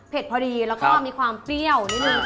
พอดีแล้วก็มีความเปรี้ยวนิดนึง